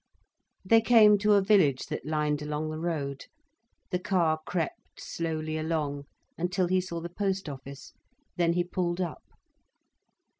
They came to a village that lined along the road. The car crept slowly along, until he saw the post office. Then he pulled up.